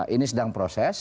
ini sedang proses